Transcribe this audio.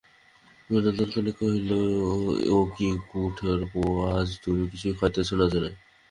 বিনোদিনী কহিল, ও কী ঠাকুরপো, আজ তুমি কিছুই খাইতেছ না যে!